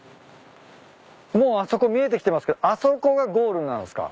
もうあそこ見えてきてますけどあそこがゴールなんすか。